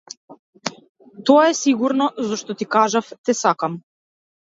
Тоа е сигурно зашто ти кажав те сакам.